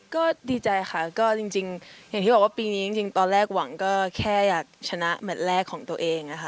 ก็ดีใจค่ะก็จริงอย่างที่บอกว่าปีนี้จริงตอนแรกหวังก็แค่อยากชนะแมทแรกของตัวเองนะคะ